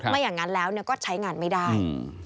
ไม่อย่างนั้นแล้วก็ใช้งานไม่ได้